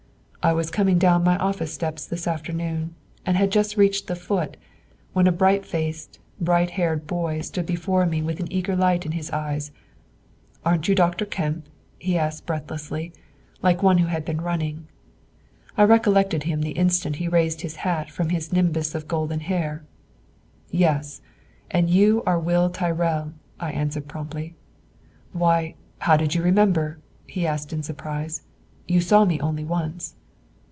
"I was coming down my office steps this afternoon, and had just reached the foot, when a bright faced, bright haired boy stood before me with an eager light in his eyes. 'Aren't you Dr. Kemp?' he asked breathlessly, like one who had been running. I recollected him the instant he raised his hat from his nimbus of golden hair. 'Yes; and you are Will Tyrrell,' I answered promptly. 'Why, how did you remember?' he asked in surprise; 'you saw me only once.